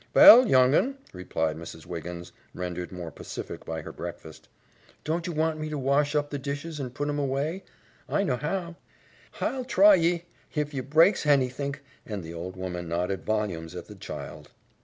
"Vell, young un," replied Mrs. Wiggins, rendered more pacific by her breakfast. "Don't you want me to wash up the dishes and put 'em away? I know how." "Hi'll try ye. Hif ye breaks hanythink " and the old woman nodded volumes at the child.